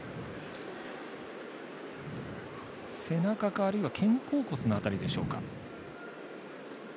背中か、あるいは肩甲骨の辺りでしょうか。